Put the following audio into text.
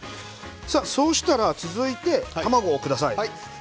そしたら続いて卵をください。